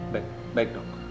baik baik dok